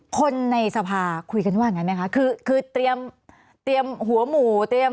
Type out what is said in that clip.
คนในสภาคุยกันบ้างไงมั้ยคะคือเตรียมหัวหมู่